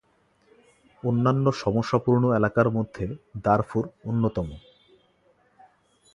অন্যান্য সমস্যাপূর্ণ এলাকার মধ্যে দারফুর অন্যতম।